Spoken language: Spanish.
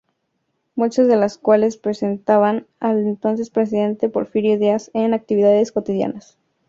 Muchas de las cuales presentaban al entonces presidente Porfirio Díaz en actividades cotidianas.